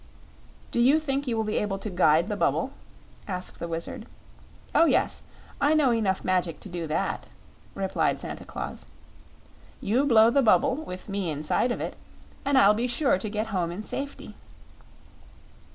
"Do you think you will be able to guide the bubble?" asked the Wizard. "Oh yes; I know enough magic to do that," replied Santa Claus. "You blow the bubble, with me inside of it, and I'll be sure to get home in safety."